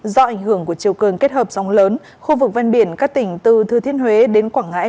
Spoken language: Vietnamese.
do ảnh hưởng của chiều cường kết hợp sóng lớn khu vực ven biển các tỉnh từ thư thiên huế đến quảng ngãi